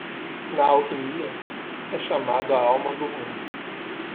Na alquimia? é chamado a alma do mundo.